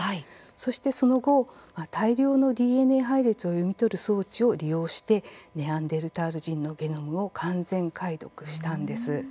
そして、その後大量のＤＮＡ配列を読み取る装置を利用してネアンデルタール人のゲノムを完全解読したんです。